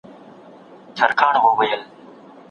هغه سړي به د خپل نفس د اصلاح لپاره په لږ خوب بسنه کوله.